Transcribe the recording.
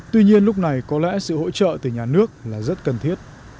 tuy nhiên lúc này có lẽ sự hỗ trợ từ nhà nước là rất cần thiết